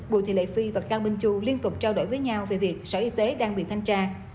bùi thị lệ phi và cao minh châu liên tục trao đổi với nhau về việc sở y tế đang bị thanh tra